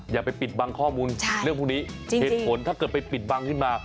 อย่าไปปิดบังข้อมูลเรื่องพวกนี้เหตุผลถ้าเกิดไปปิดบังขึ้นมา